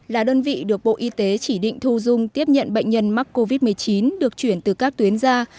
là đơn vị được bộ y tế chỉ định thu dung tiếp nhận bệnh nhân mắc covid một mươi chín được chuyển từ các tuyến ra